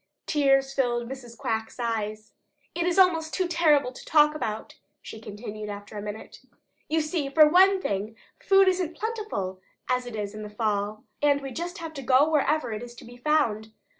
Tears filled Mrs. Quack's eyes. "It is almost too terrible to talk about," she continued after a minute. "You see, for one thing, food isn't as plentiful as it is in the fall, and we just have to go wherever it is to be found.